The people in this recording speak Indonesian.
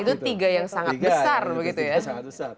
itu tiga yang sangat besar begitu ya